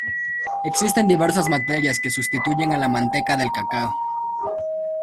Existen diversas materias que sustituyen a la manteca del cacao.